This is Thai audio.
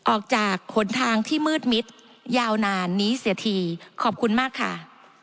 ออกจากหนทางที่มืดมิดยาวนานนี้เสียทีขอบคุณมากค่ะ